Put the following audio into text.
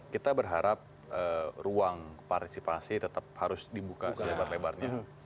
kita berharap ruang partisipasi tetap harus dibuka selebar lebarnya